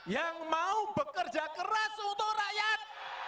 yang mau bekerja keras untuk rakyat